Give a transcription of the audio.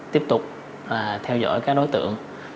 tiếp tục theo dõi các đối tượng